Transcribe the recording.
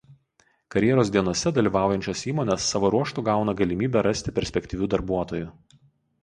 Karjeros dienose dalyvaujančios įmonės savo ruožtu gauna galimybę rasti perspektyvių darbuotojų.